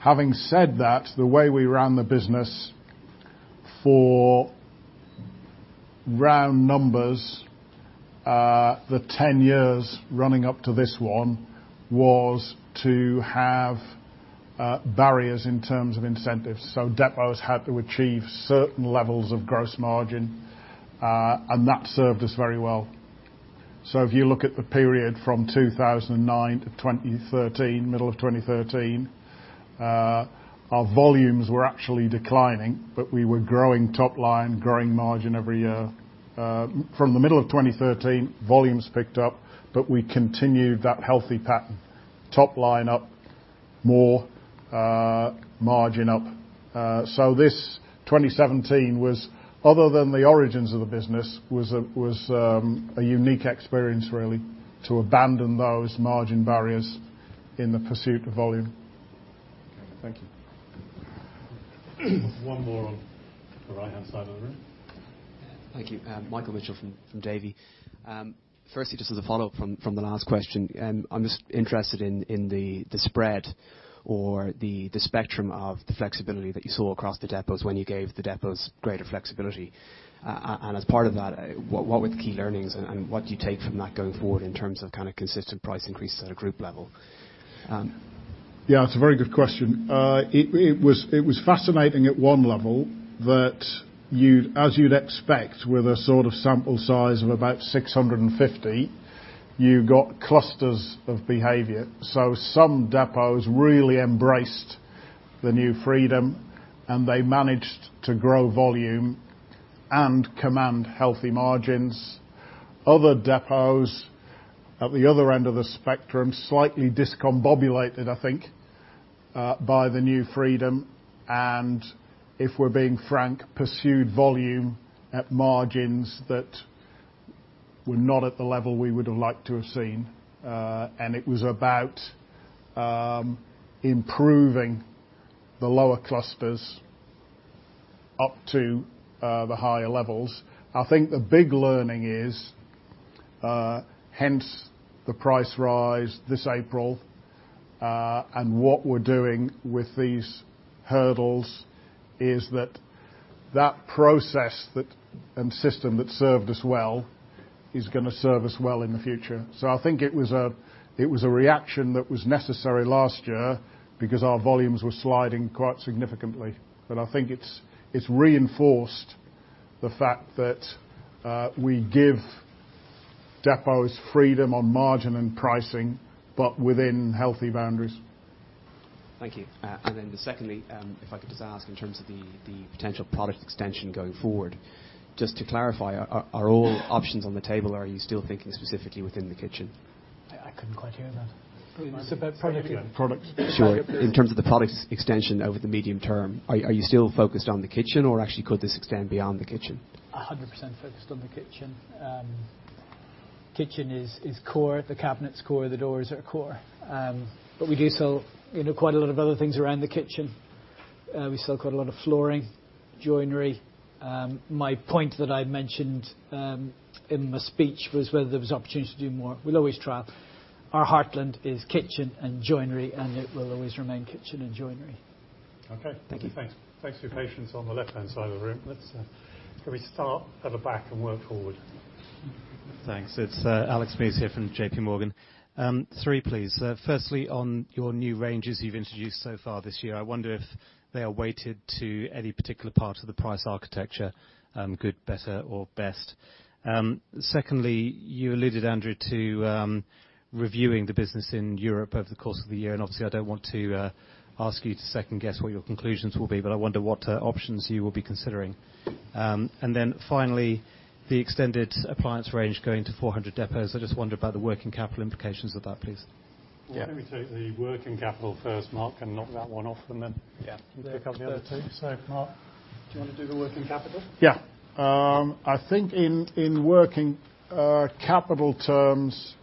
Having said that, the way we ran the business for, round numbers, the 10 years running up to this one, was to have barriers in terms of incentives. Depots had to achieve certain levels of gross margin, and that served us very well. If you look at the period from 2009 to 2013, middle of 2013, our volumes were actually declining, but we were growing top line, growing margin every year. From the middle of 2013, volumes picked up, but we continued that healthy pattern. Top line up more, margin up. This 2017 was, other than the origins of the business, was a unique experience, really, to abandon those margin barriers in the pursuit of volume. Okay. Thank you. One more on the right-hand side of the room. Thank you. Michael Mitchell from Davy. Firstly, just as a follow-up from the last question, I'm just interested in the spread or the spectrum of the flexibility that you saw across the depots when you gave the depots greater flexibility. As part of that, what were the key learnings and what do you take from that going forward in terms of kind of consistent price increases at a group level? Yeah, it's a very good question. It was fascinating at one level that as you'd expect with a sort of sample size of about 650, you got clusters of behavior. Some depots really embraced the new freedom, and they managed to grow volume and command healthy margins. Other depots at the other end of the spectrum, slightly discombobulated, I think, by the new freedom and, if we're being frank, pursued volume at margins that were not at the level we would have liked to have seen. It was about improving the lower clusters up to the higher levels. I think the big learning is, hence the price rise this April, and what we're doing with these hurdles is that that process and system that served us well is going to serve us well in the future. I think it was a reaction that was necessary last year because our volumes were sliding quite significantly. I think it's reinforced the fact that we give depots freedom on margin and pricing, but within healthy boundaries. Thank you. Secondly, if I could just ask in terms of the potential product extension going forward, just to clarify, are all options on the table, are you still thinking specifically within the kitchen? I couldn't quite hear that. It's about product. Product. Sure. In terms of the product's extension over the medium term, are you still focused on the kitchen, or actually could this extend beyond the kitchen? 100% focused on the kitchen. Kitchen is core. The cabinet's core, the doors are core. We do sell quite a lot of other things around the kitchen. We sell quite a lot of flooring, joinery. My point that I mentioned in my speech was whether there was opportunity to do more. We'll always trial. Our heartland is kitchen and joinery, and it will always remain kitchen and joinery. Okay. Thank you. Thanks for your patience on the left-hand side of the room. Can we start at the back and work forward? Thanks. It's Alexander Mees here from J.P. Morgan. Three, please. On your new ranges you've introduced so far this year, I wonder if they are weighted to any particular part of the price architecture, good, better or best? You alluded, Andrew, to reviewing the business in Europe over the course of the year, and obviously, I don't want to ask you to second-guess what your conclusions will be, but I wonder what options you will be considering. Finally, the extended appliance range going to 400 depots. I just wonder about the working capital implications of that, please. Yeah. Well, let me take the working capital first, Mark, and knock that one off. Yeah Pick up the other two. Mark. Do you want to do the working capital? Yeah. I think in working capital terms,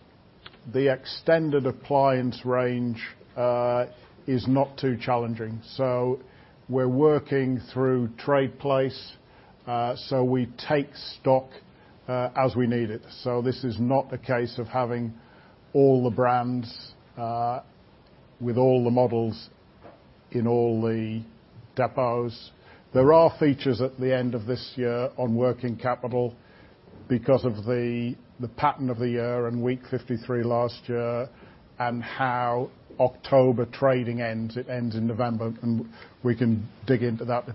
the extended appliance range is not too challenging. We are working through Tradeplace, so we take stock as we need it. This is not a case of having all the brands with all the models in all the depots. There are features at the end of this year on working capital because of the pattern of the year and week 53 last year and how October trading ends. It ends in November, and we can dig into that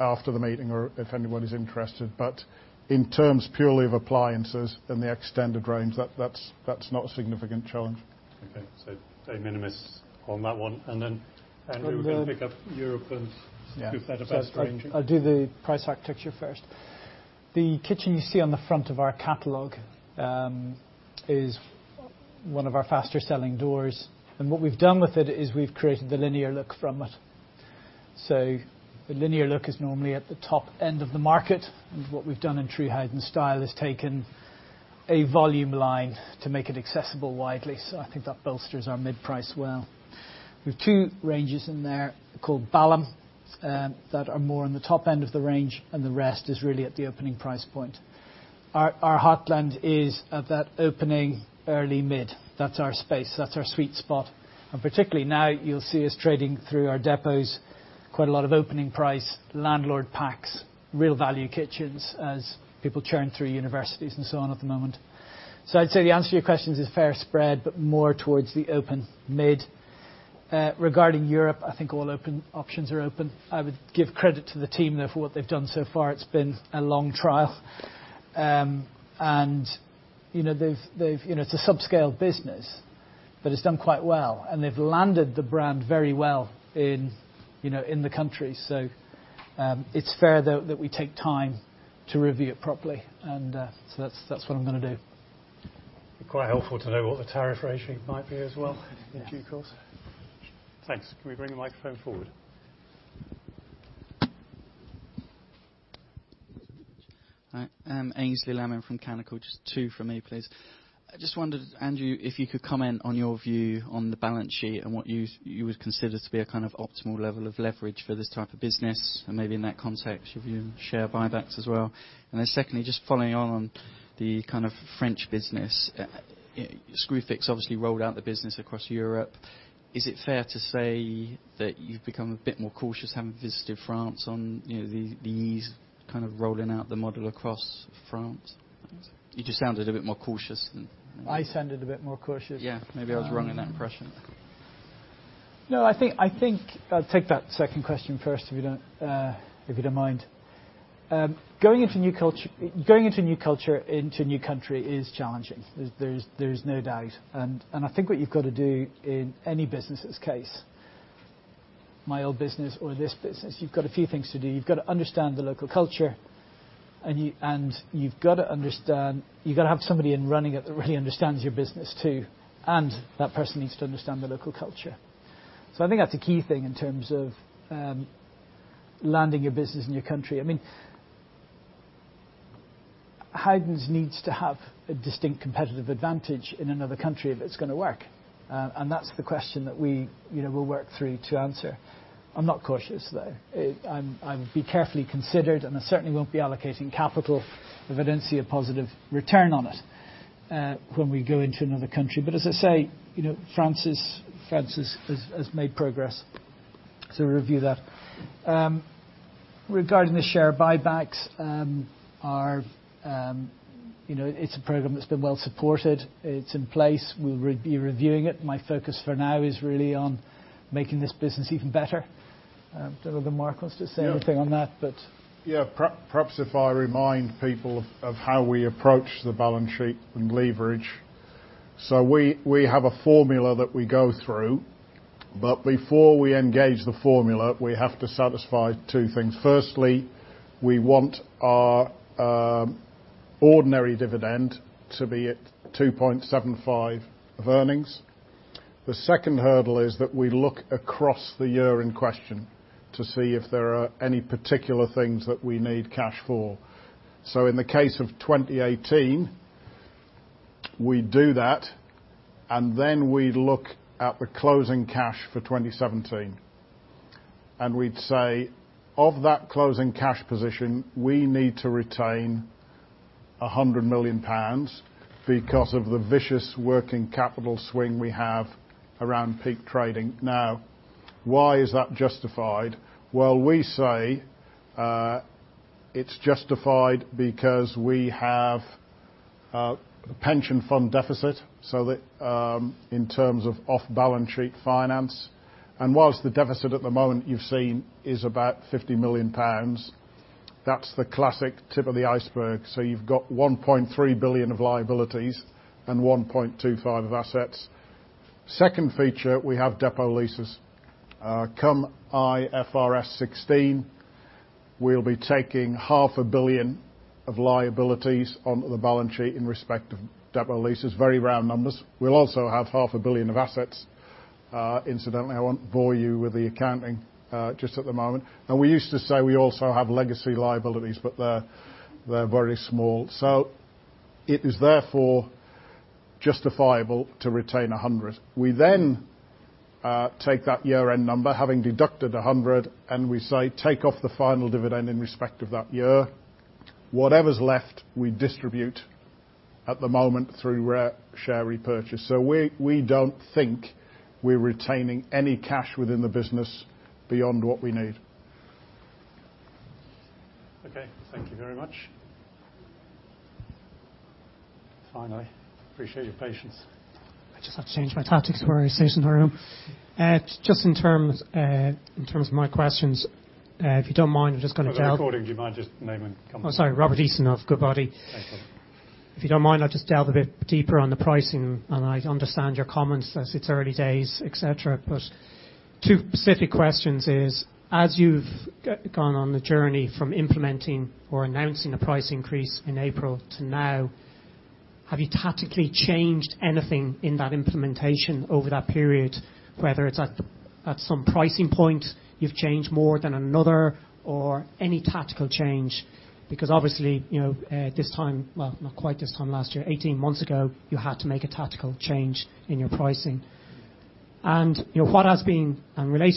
after the meeting or if anyone is interested. But in terms purely of appliances and the extended range, that is not a significant challenge. Okay. So de minimis on that one. Andrew, we are going to pick up Europe and. (audio distortion) I will do the price architecture first. The kitchen you see on the front of our catalog is one of our faster selling doors, and what we have done with it is we have created the Linear look from it. The Linear look is normally at the top end of the market, and what we have done in True Howden Style is taken a volume line to make it accessible widely. So I think that bolsters our mid-price well. There are two ranges in there called Balham, that are more on the top end of the range, and the rest is really at the opening price point. Our heartland is at that opening early mid. That is our space. That is our sweet spot. Particularly now, you will see us trading through our depots, quite a lot of opening price, landlord packs, real value kitchens as people churn through universities and so on at the moment. So I would say the answer to your questions is fair spread, but more towards the open mid. Regarding Europe, I think all options are open. I would give credit to the team there for what they have done so far. It has been a long trial. It is a subscale business, but it has done quite well, and they have landed the brand very well in the country. So it is fair though that we take time to review it properly, and so that is what I am going to do. It'd be quite helpful to know what the tariff rating might be as well in due course. Thanks. Can we bring the microphone forward? Hi. Aynsley Lammin from Canaccord. Just two from me, please. I just wondered, Andrew, if you could comment on your view on the balance sheet and what you would consider to be a kind of optimal level of leverage for this type of business and maybe in that context, your view on share buybacks as well. Secondly, just following on the kind of French business, Screwfix obviously rolled out the business across Europe. Is it fair to say that you've become a bit more cautious having visited France on the ease kind of rolling out the model across France? You just sounded a bit more cautious than- I sounded a bit more cautious? Yeah. Maybe I was wrong in that impression. No, I think I'll take that second question first, if you don't mind. Going into a new country is challenging. There's no doubt. I think what you've got to do in any business' case, my old business or this business, you've got a few things to do. You've got to understand the local culture. You've got to have somebody in running it that really understands your business too, and that person needs to understand the local culture. I think that's a key thing in terms of landing your business in your country. Howden needs to have a distinct competitive advantage in another country if it's going to work and that's the question that we'll work through to answer. I'm not cautious, though. I'd be carefully considered. I certainly won't be allocating capital if I don't see a positive return on it when we go into another country. As I say, France has made progress. Review that. Regarding the share buybacks, it's a program that's been well supported. It's in place. We'll be reviewing it. My focus for now is really on making this business even better. I don't know if Mark wants to say anything on that. Yeah. Perhaps if I remind people of how we approach the balance sheet and leverage. We have a formula that we go through, but before we engage the formula, we have to satisfy two things. Firstly, we want our ordinary dividend to be at 2.75 of earnings. The second hurdle is that we look across the year in question to see if there are any particular things that we need cash for. In the case of 2018, we do that, and then we look at the closing cash for 2017. We'd say, of that closing cash position, we need to retain 100 million pounds because of the vicious working capital swing we have around peak trading. Why is that justified? We say it's justified because we have a pension fund deficit in terms of off-balance-sheet finance. Whilst the deficit at the moment you're seeing is about 50 million pounds, that's the classic tip of the iceberg. You've got 1.3 billion of liabilities and 1.25 billion of assets. Second feature, we have depot leases. Come IFRS 16, we'll be taking half a billion of liabilities onto the balance sheet in respect of depot leases. Very round numbers. We'll also have half a billion of assets, incidentally. I won't bore you with the accounting just at the moment. We used to say we also have legacy liabilities, but they're very small. It is therefore justifiable to retain 100 million. We take that year-end number, having deducted 100 million, take off the final dividend in respect of that year. Whatever's left, we distribute at the moment through share repurchase. We don't think we're retaining any cash within the business beyond what we need. Okay. Thank you very much. Finally. Appreciate your patience. I just had to change my tactics to where I sit in the room. Just in terms of my questions, if you don't mind, I'm just going to delve. For the recording, do you mind just naming companies? Oh, sorry. Robert Easton of Goodbody. Thanks, Robert. I understand your comments as it's early days, et cetera, but two specific questions is: as you've gone on the journey from implementing or announcing a price increase in April to now, have you tactically changed anything in that implementation over that period, whether it's at some pricing point you've changed more than another or any tactical change? Because obviously, this time-- well, not quite this time last year. 18 months ago, you had to make a tactical change in your pricing. Related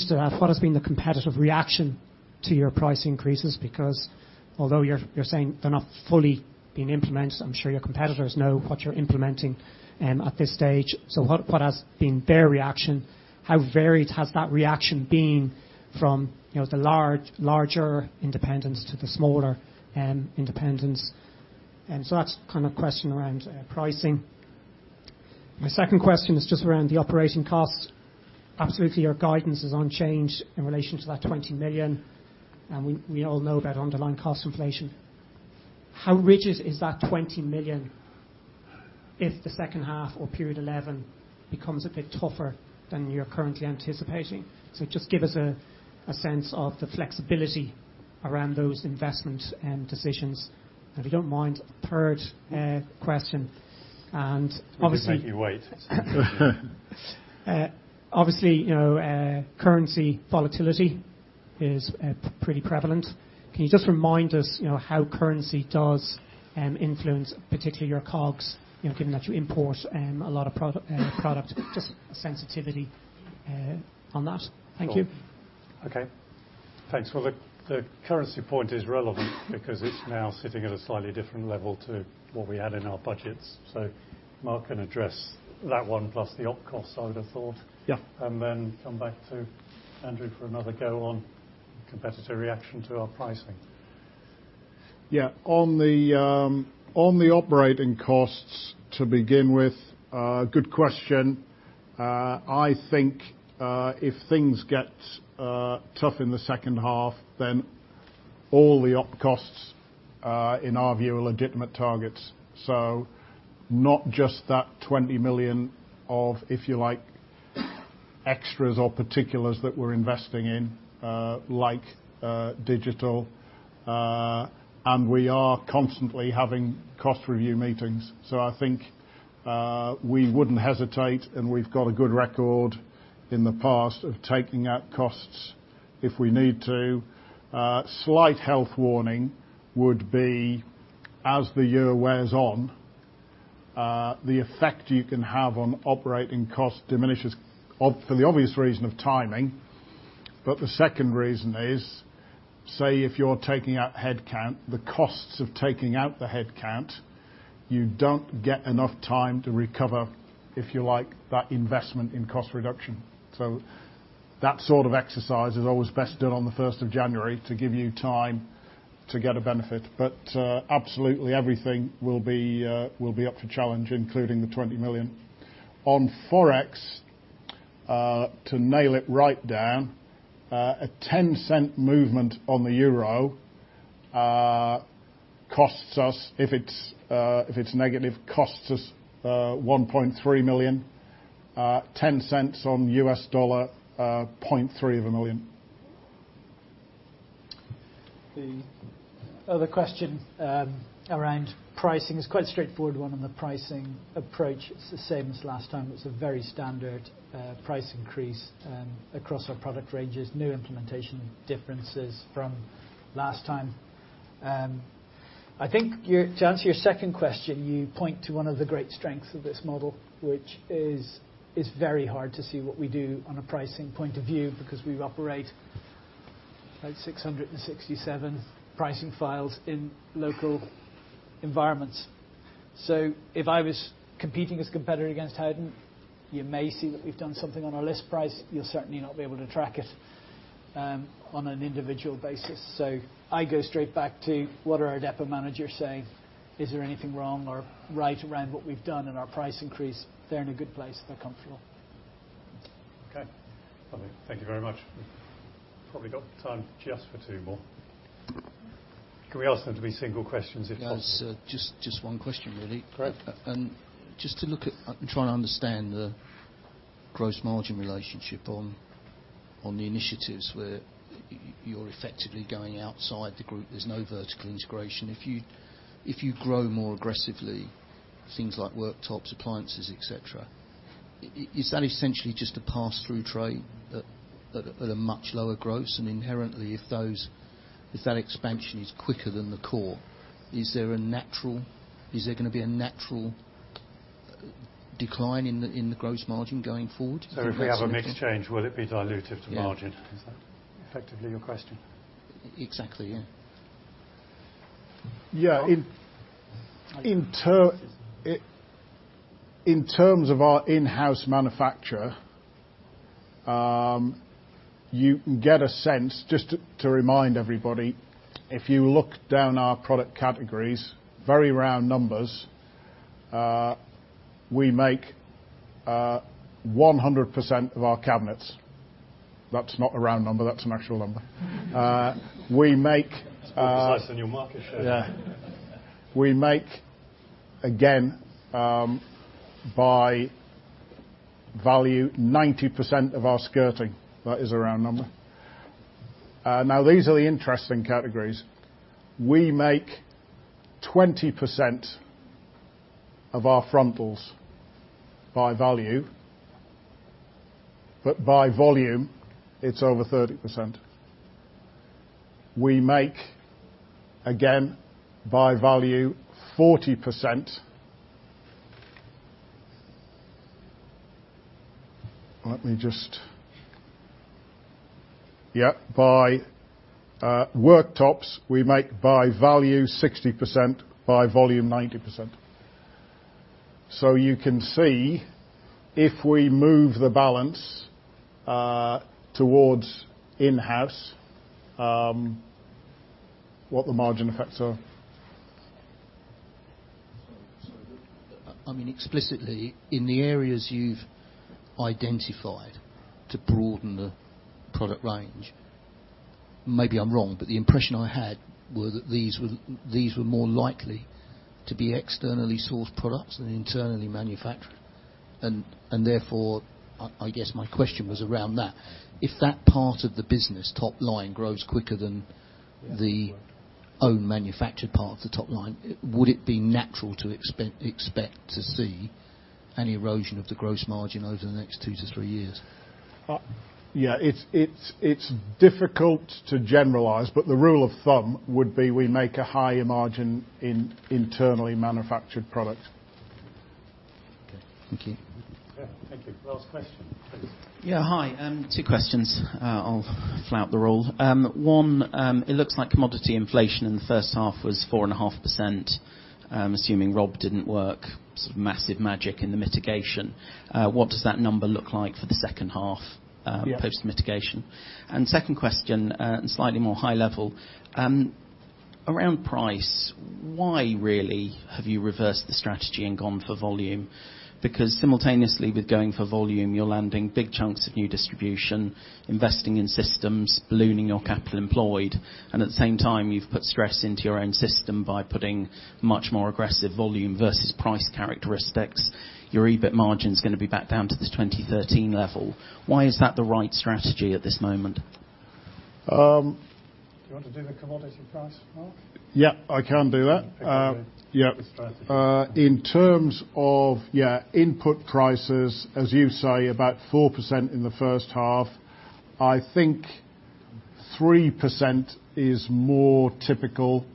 to that, what has been the competitive reaction to your price increases? Because although you're saying they're not fully being implemented, I'm sure your competitors know what you're implementing at this stage. What has been their reaction? How varied has that reaction been from the larger independents to the smaller independents? That's kind of question around pricing. My second question is just around the operating costs. Absolutely, your guidance is unchanged in relation to that 20 million, and we all know about underlying cost inflation. How rigid is that 20 million if the second half or period 11 becomes a bit tougher than you're currently anticipating? So just give us a sense of the flexibility around those investment decisions. We've made you wait Currency volatility is pretty prevalent. Can you just remind us how currency does influence, particularly your COGS, given that you import a lot of product? Just sensitivity on that. Thank you. Sure. Okay, thanks. Well, the currency point is relevant because it's now sitting at a slightly different level to what we had in our budgets. Mark can address that one plus the op cost, I would have thought. Yeah. Come back to Andrew for another go on competitor reaction to our pricing. Yeah. On the operating costs to begin with, good question. I think if things get tough in the second half, then all the op costs, in our view, are legitimate targets. Not just that 20 million of, if you like, extras or particulars that we're investing in, like digital. We are constantly having cost review meetings, I think we wouldn't hesitate, and we've got a good record in the past of taking out costs if we need to. Slight health warning would be, as the year wears on, the effect you can have on operating cost diminishes for the obvious reason of timing. The second reason is, say if you're taking out headcount, the costs of taking out the headcount, you don't get enough time to recover, if you like, that investment in cost reduction. That sort of exercise is always best done on the 1st of January to give you time to get a benefit. Absolutely everything will be up for challenge, including the 20 million. On Forex, to nail it right down, a 0.10 movement on the euro, if it's negative, costs us 1.3 million. $0.10 on U.S. dollar, $0.3 million. The other question around pricing is quite a straightforward one on the pricing approach. It's the same as last time. It's a very standard price increase across our product ranges, no implementation differences from last time. I think to answer your second question, you point to one of the great strengths of this model, which is it's very hard to see what we do on a pricing point of view because we operate about 667 pricing files in local environments. If I was competing as a competitor against Howden, you may see that we've done something on our list price. You'll certainly not be able to track it on an individual basis. I go straight back to what are our depot managers saying? Is there anything wrong or right around what we've done in our price increase? They're in a good place. They're comfortable. Okay. Lovely. Thank you very much. We've probably got time for just two more. Can we ask them to be single questions if possible? Yes, just one question, really. Great. Just to look at, I'm trying to understand the gross margin relationship on the initiatives where you're effectively going outside the group. There's no vertical integration. If you grow more aggressively, things like worktops, appliances, et cetera, is that essentially just a pass-through trade at a much lower gross? Inherently if that expansion is quicker than the core, is there going to be a natural decline in the gross margin going forward? If we have a mixed change, will it be dilutive to margin? Yeah. Is that effectively your question? Exactly, yeah. Yeah. In terms of our in-house manufacture, you can get a sense just to remind everybody, if you look down our product categories, very round numbers, we make 100% of our cabinets. That's not a round number. That's an actual number. It's pretty precise on your market share. Yeah. We make, again, by value, 90% of our skirting. That is a round number. These are the interesting categories. We make 20% of our frontals by value, but by volume it's over 30%. We make, again, by value, 40%. By worktops, we make by value 60%, by volume 90%. You can see if we move the balance towards in-house, what the margin effects are. I mean explicitly, in the areas you've identified to broaden the product range, maybe I'm wrong, but the impression I had were that these were more likely to be externally sourced products than internally manufactured. Therefore, I guess my question was around that. If that part of the business top line grows quicker than the own manufactured part of the top line, would it be natural to expect to see an erosion of the gross margin over the next two to three years? Yeah. It's difficult to generalize, the rule of thumb would be we make a higher margin in internally manufactured product. Okay. Thank you. Yeah. Thank you. Last question. Please. Yeah. Hi. Two questions. I'll flout the rule. One, it looks like commodity inflation in the first half was 4.5%. I'm assuming Rob didn't work massive magic in the mitigation. What does that number look like for the second half post mitigation? Yeah. Second question, slightly more high level, around price, why really have you reversed the strategy and gone for volume? Because simultaneously with going for volume, you're landing big chunks of new distribution, investing in systems, ballooning your capital employed, and at the same time, you've put stress into your own system by putting much more aggressive volume versus price characteristics. Your EBIT margin's going to be back down to the 2013 level. Why is that the right strategy at this moment? Do you want to do the commodity price, Mark? Yeah, I can do that. You can do the strategy. Yeah. In terms of input prices, as you say, about 4% in the first half, I think 3% is more typical.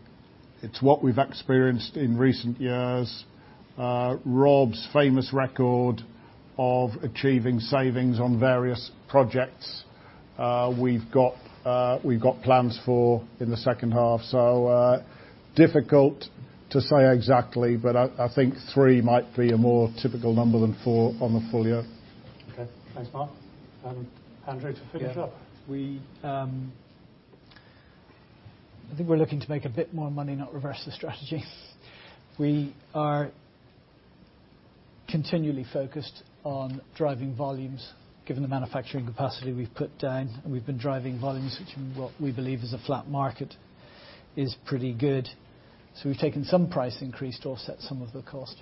It's what we've experienced in recent years. Rob's famous record of achieving savings on various projects we've got plans for in the second half. Difficult to say exactly, but I think three might be a more typical number than four on the full year. Okay. Thanks, Mark. Andrew, to finish up. Yeah. I think we're looking to make a bit more money, not reverse the strategy. We are continually focused on driving volumes given the manufacturing capacity we've put down, and we've been driving volumes, which in what we believe is a flat market is pretty good. We've taken some price increase to offset some of the cost.